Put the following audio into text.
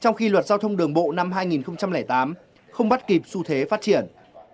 trong khi luật giao thông đường bộ năm hai nghìn tám không bắt kịp xu thế phát triển